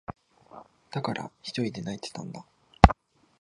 だから、ひとりで泣いていたんだ。